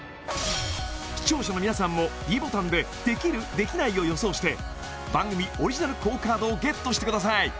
視聴者の皆さんもｄボタンでできるできないを予想して番組オリジナルＱＵＯカードをＧＥＴしてください